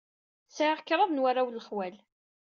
Sɛiɣ kraḍ n warraw n lexwal.